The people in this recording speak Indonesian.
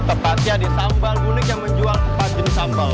tepatnya di sambal unik yang menjual empat jenis sambal